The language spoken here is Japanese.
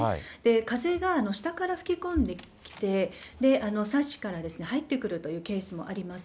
風が下から吹き込んできて、サッシから入ってくるというケースもあります。